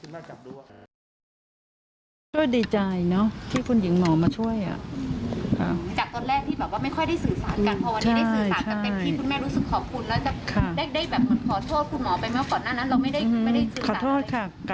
แม่ตอบฉันเลยว่าแม่ไม่รักทนายเดชาแล้วลองฟังดูนะคะ